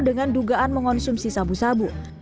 dengan dugaan mengonsumsi sabu sabu